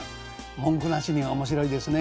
文句なしに面白いですね。